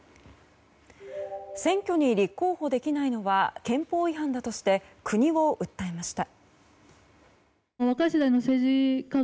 選挙に立候補できないのは憲法違反だとして国を訴えました。